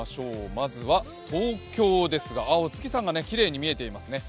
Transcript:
まずは東京ですが、お月さんがきれいに見えてますね。